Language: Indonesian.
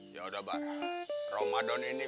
ya udah barang ramadan ini